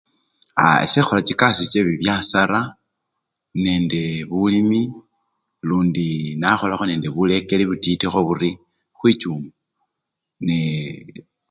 A! ese ekhola chikasii che bibyasara nende bulimi lundi nakholakho nende bulekeli butitikho buri khwichuma nee!.